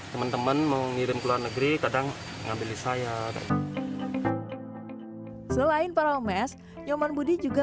teman teman mengirim ke luar negeri kadang ngambil sayap selain paraong mask nyoman budi juga